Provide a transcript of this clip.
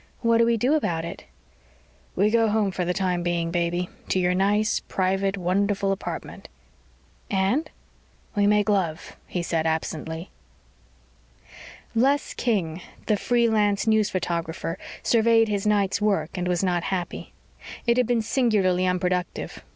"What do we do about it?" "We go home for the time being, baby to your nice, private, wonderful apartment." "And ...?" "We make love," he said absently. Les King, the free lance news photographer, surveyed his night's work and was not happy. It had been singularly unproductive.